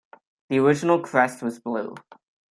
The original crest was blue.